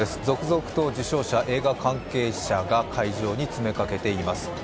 続々と受賞者、映画関係者が会場に詰めかけています。